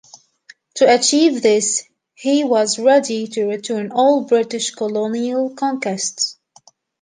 To achieve this, he was ready to return all British colonial conquests.